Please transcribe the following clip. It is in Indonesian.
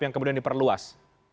yang kemudian diperluas